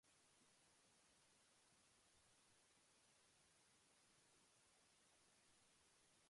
Por tres cosas se alborota la tierra, Y la cuarta no puede sufrir: